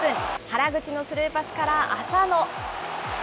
原口のスルーパスから、浅野。